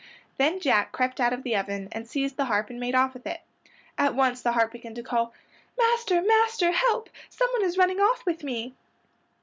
Then Jack crept out of the oven and seized the harp and made off with it. At once the harp began to call, "Master! master! help! Someone is running off with me!"